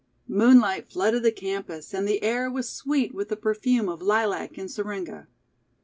Moonlight flooded the campus, and the air was sweet with the perfume of lilac and syringa.